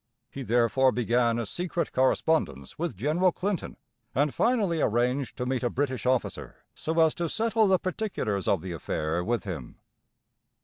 He therefore began a secret correspondence with General Clinton, and finally arranged to meet a British officer, so as to settle the particulars of the affair with him.